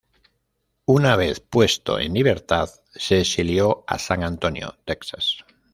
Una vez puesto en libertad se exilió a San Antonio, Texas.